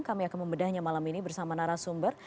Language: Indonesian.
tidak hanya malam ini bersama narasumber